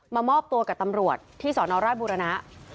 มามอบตัวกับตำรวจที่สนราชบุรณะ